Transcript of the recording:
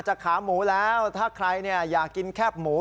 ขาหมูแล้วถ้าใครอยากกินแคบหมู